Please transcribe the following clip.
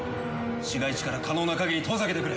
市街地から可能なかぎり遠ざけてくれ。